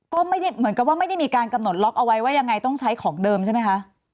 ก็ไม่ได้เหมือนกับว่าไม่ได้มีการกำหนดล็อกเอาไว้ว่ายังไงต้องใช้ของเดิมใช่ไหมคะ